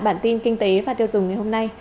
bản tin kinh tế và tiêu dùng ngày hôm nay